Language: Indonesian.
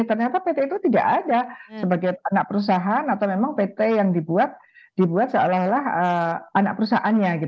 ternyata pt itu tidak ada sebagai anak perusahaan atau memang pt yang dibuat seolah olah anak perusahaannya